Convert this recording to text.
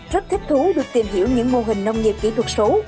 rất thích thú được tìm hiểu những mô hình nông nghiệp kỹ thuật số